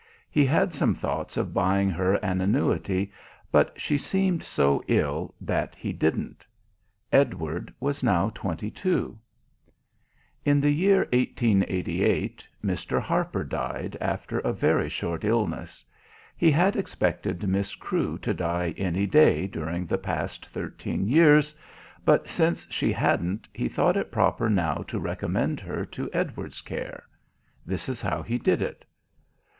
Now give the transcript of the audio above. He had some thoughts of buying her an annuity, but she seemed so ill that he didn't. Edward was now twenty two. In the year 1888, Mr. Harper died after a very short illness. He had expected Miss Crewe to die any day during the past thirteen years, but since she hadn't he thought it proper now to recommend her to Edward's care. This is how he did it.